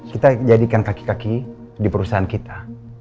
kita jadikan kaki kaki di perusahaan kita